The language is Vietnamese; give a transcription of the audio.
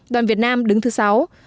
đoàn việt nam đứng thứ sáu